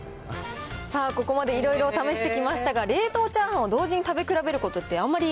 さあ、ここまでいろいろ試してきましたが、冷凍チャーハンを同時に食べ比べることって、確かに。